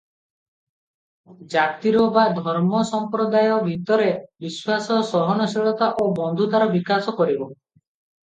ଜାତୀୟ ବା ଧର୍ମ ସମ୍ପ୍ରଦାୟ ଭିତରେ ବିଶ୍ୱାସ, ସହନଶୀଳତା ଓ ବନ୍ଧୁତାର ବିକାଶ କରିବ ।